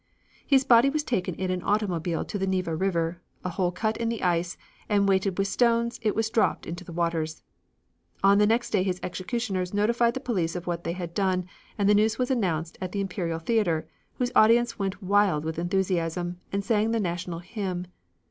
His body was taken in an automobile to the Neva River, a hole cut in the ice, and weighted with stones, it was dropped into the waters. On the next day his executioners notified the police of what they had done, and the news was announced at the Imperial Theatre, whose audience went wild with enthusiasm, and sang the National Hymn.